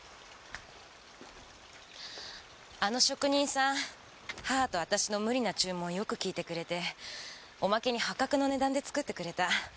あの職人さん母と私の無理な注文よく聞いてくれておまけに破格の値段で作ってくれた。